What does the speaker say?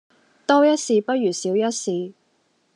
多一事不如少一事